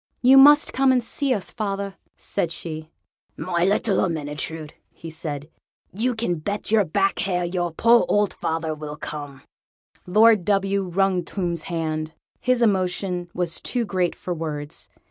"You must often come and see us, father," she said. "My little Ermyntrude," he said, "you can bet your back hair your poor old father will often come." Lord W. wrung Tomb's hand: his emotion was too great for words.